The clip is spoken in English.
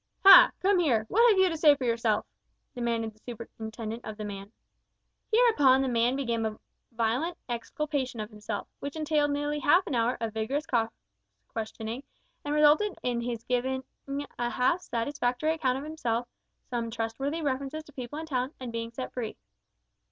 "Ha! come here; what have you to say for yourself?" demanded the superintendent of the man. Hereupon the man began a violent exculpation of himself, which entailed nearly half an hour of vigorous cross questioning, and resulted in his giving a half satisfactory account of himself, some trustworthy references to people in town, and being set free.